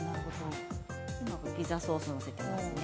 うまくピザソースを載せていますね。